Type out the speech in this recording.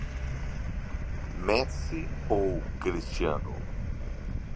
Messi ou Cristiano?